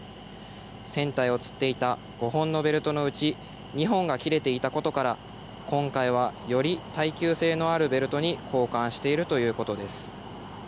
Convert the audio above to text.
船体をつっていた５本のベルトのうち２本が切れていたことから今回はより耐久性のあるベルトに交換しているということです。